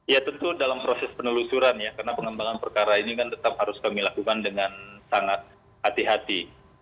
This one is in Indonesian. ya tentu dalam proses penelusuran ya karena pengembangan perkara ini kan tetap harus kami lakukan dengan sangat hati hati